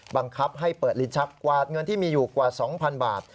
บังคับให้เปิดลิ้นชักกวาดเงินที่มีอยู่กว่า๒๐๐๐บาท